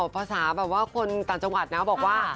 ภาษาแบบว่าคนต่างจังหวัดนะบอกว่า